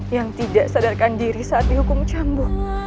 yang tidak sadarkan diri saat dihukum cambuk